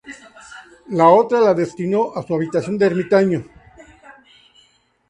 La otra la destinó a su habitación de ermitaño.